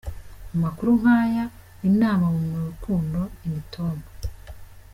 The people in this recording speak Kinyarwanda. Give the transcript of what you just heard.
Amakuru nk'aya, inama mu rukundo, imitoma,.